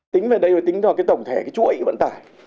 tính về đây phải tính vào cái tổng thể cái chuỗi vận tải